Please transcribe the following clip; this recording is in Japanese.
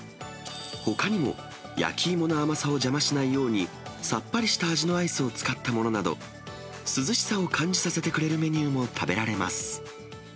ほかにも、焼き芋の甘さを邪魔しないように、さっぱりした味のアイスを使ったものなど、涼しさを感じさせてくれるメニューも食べられます。